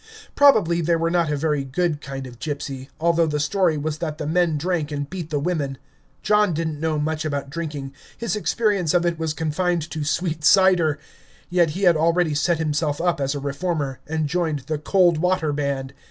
Probably they were not a very good kind of gypsy, although the story was that the men drank and beat the women. John didn't know much about drinking; his experience of it was confined to sweet cider; yet he had already set himself up as a reformer, and joined the Cold Water Band.